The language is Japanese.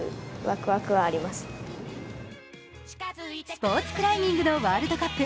スポーツクライミングのワールドカップ。